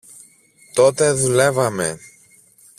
Τότε δουλεύαμε.